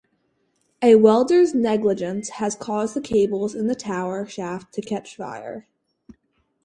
A welder's negligence had caused the cables in the tower shaft to catch fire.